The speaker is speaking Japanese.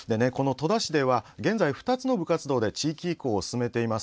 戸田市では現在２つの部活動で地域移行を進めています。